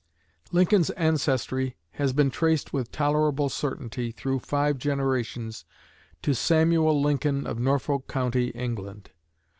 Lincoln's ancestry has been traced with tolerable certainty through five generations to Samuel Lincoln of Norfolk County, England.